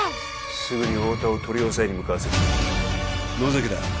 すぐに太田を取り押さえに向かわせる野崎だ